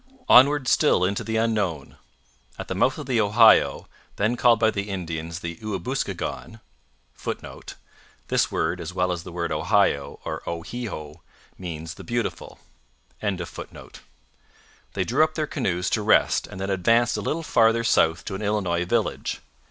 Onward still into the unknown! At the mouth of the Ohio then called by the Indians the Ouabouskigon [Footnote: This word, as well as the word Ohio, or O he ho, means 'The Beautiful.'] they drew up their canoes to rest and then advanced a little farther south to an Illinois village.